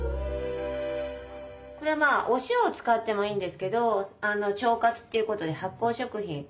これはお塩を使ってもいいんですけど腸活っていうことで発酵食品。